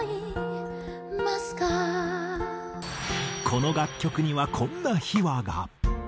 この楽曲にはこんな秘話が。